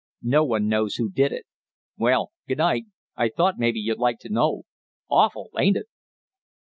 No one knows who did it. Well, good night, I thought maybe you'd like to know. Awful, ain't it?"